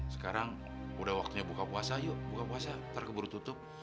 sekarang udah waktunya buka puasa yuk buka puasa terkeburu tutup